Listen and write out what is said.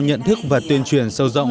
nhận thức và tuyên truyền sâu rộng